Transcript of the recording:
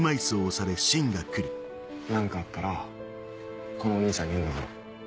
何かあったらこのお兄さんに言うんだぞ。